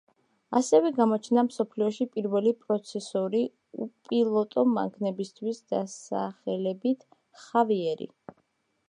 ასევე გამოჩნდა მსოფლიოში პირველი პროცესორი უპილოტო მანქანებისთვის დასახელებით „ხავიერი“.